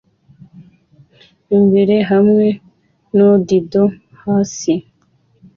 imbere hamwe nudido hasi